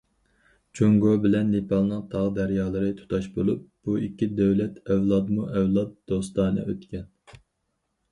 جۇڭگو بىلەن نېپالنىڭ تاغ- دەريالىرى تۇتاش بولۇپ، بۇ ئىككى دۆلەت ئەۋلادمۇ ئەۋلاد دوستانە ئۆتكەن.